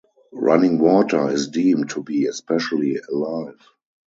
Running water is deemed to be especially alive.